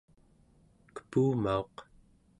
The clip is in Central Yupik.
kepumauq